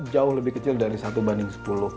jauh lebih kecil dari satu banding sepuluh